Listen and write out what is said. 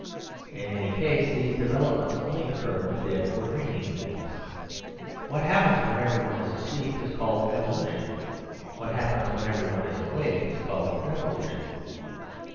In any case, these developments only occur with dead or dreaming things. What happens when everyone is asleep is called Evolution. What happens when everyone is awake is called Revolution.